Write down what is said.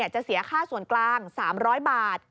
จะเสียค่าส่วนกลาง๓๐๐บาท